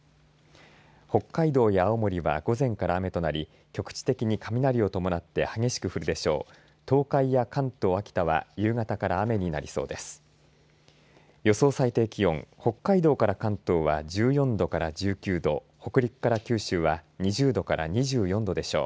北海道や青森は午前から雨となり局地的に雷を伴って激しく降るでしょう。